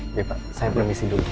oke pak saya permisi dulu